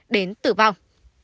đến tử vong